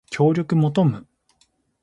協力求む